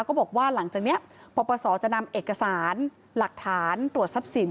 ก็บอกว่าหลังจากนี้ปปศจะนำเอกสารหลักฐานตรวจทรัพย์สิน